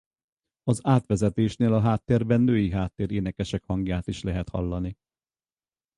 Az átvezetésnél a háttérben női háttér-énekesek hangját is lehet hallani.